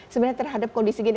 sebenarnya terhadap kondisi gini